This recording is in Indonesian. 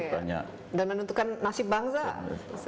dan menentukan nasib bangsa